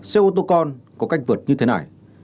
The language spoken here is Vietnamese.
xe ô tô con có cách vượt như thế này